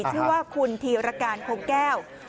ชื่อว่าคุณธีรการคงแก้ว